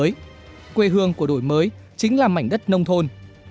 mới quê hương của đổi mới chính là mảnh đất nông thôn